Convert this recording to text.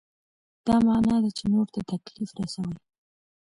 دا معنا ده چې نورو ته تکلیف رسوئ.